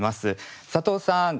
佐藤さん